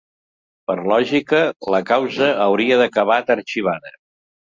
Per lògica, la causa hauria acabat arxivada.